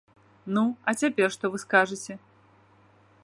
Ну, а цяпер што вы скажаце?